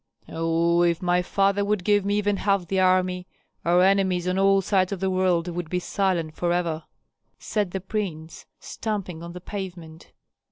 "Oh, if my father would give me even half the army, our enemies on all sides of the world would be silent forever!" said the prince, stamping on the pavement.